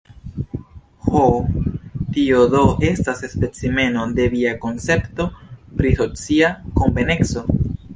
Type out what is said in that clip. Ho, tio, do, estas specimeno de via koncepto pri socia konveneco?